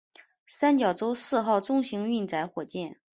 三角洲四号中型运载火箭。